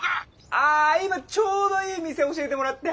あ今ちょうどいい店教えてもらって。